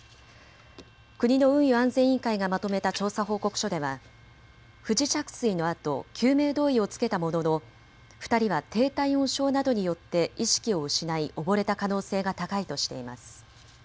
国の運輸安全委員会がまとめた調査報告書では不時着水のあと救命胴衣を着けたものの２人は低体温症などによって意識を失い溺れた可能性が高いとしています。